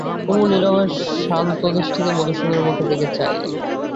কুমু নীরবে শান্ত দৃষ্টিতে মধুসূদনের মুখের দিকে চাইলে।